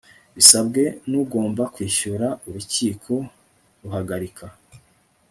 Bisabwe n ugomba kwishyura Urukiko ruhagarika